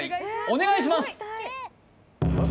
お願いします